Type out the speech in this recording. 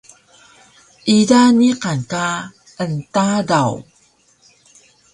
ida niqan ka enTadaw